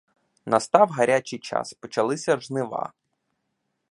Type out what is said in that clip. Настав гарячий час — почалися жнива.